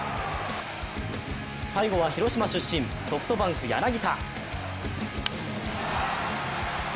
最後は広島出身ソフトバンク・柳田。